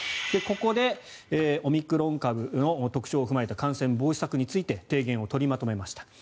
ここでオミクロン株の特徴を踏まえた感染防止策について提言を取りまとめました。